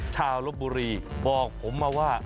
ลบบุรีบอกผมมาว่า